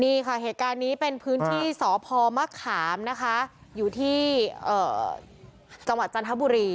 นี่ค่ะเหตุการณ์นี้เป็นพื้นที่สพมะขามนะคะอยู่ที่จังหวัดจันทบุรี